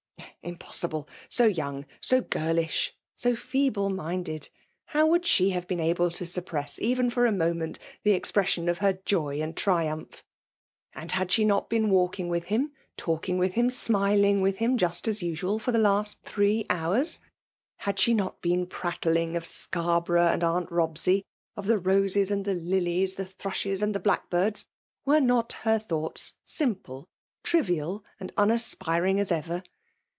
Impossible !— So young, so girlish, so feebly minded, how would she have been able to suppress, even for a moment, the ex pression of her joy and triumph ? And had she not been walking with him, talking with 60 FEMALE DOMINATION. him^ smiling with him> just as usual^ for the last three hours ? Had she not been prattling of Scarborough and Aunt Bobsey — of the roses and the lilies — the thrushes and the blfu;kbirds? W^e not her thoughts simple, trivial, and unaspiring as ever?